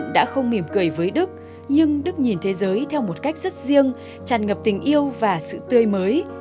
đã không mỉm cười với đức nhưng đức nhìn thế giới theo một cách rất riêng tràn ngập tình yêu và sự tươi mới